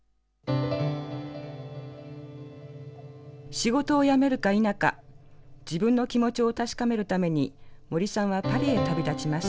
仕事をやめるか否か自分の気持ちを確かめるために森さんはパリへ旅立ちます。